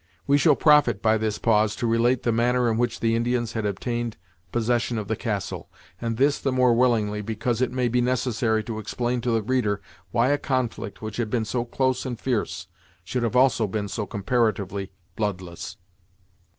We shall profit by this pause to relate the manner in which the Indians had obtained possession of the castle, and this the more willingly because it may be necessary to explain to the reader why a conflict which had been so close and fierce, should have also been so comparatively bloodless.